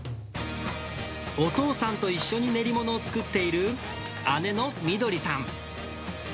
お父さんと一緒に練り物を作っている姉の碧さん。